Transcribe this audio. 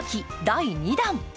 第２弾。